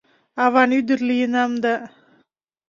Аван ӱдыр лийынам да